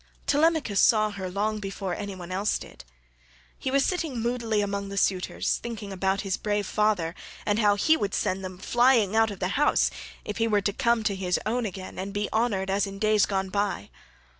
Telemachus saw her long before any one else did. He was sitting moodily among the suitors thinking about his brave father, and how he would send them flying out of the house, if he were to come to his own again and be honoured as in days gone by.